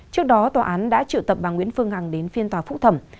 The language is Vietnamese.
trước đó tòa án đã triệu tập bà nguyễn phương hằng đến phiên tòa phúc thẩm